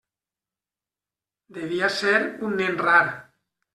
Devia ser un nen rar.